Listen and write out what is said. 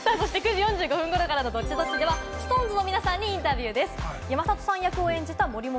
９時４５分頃からのＤｏｔｔｉ‐Ｄｏｔｔｉでは、ＳｉｘＴＯＮＥＳの皆さんにインタビューです。